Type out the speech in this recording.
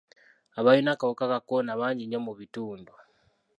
Abalina akawuka ka kolona bangi nnyo mu bitundu.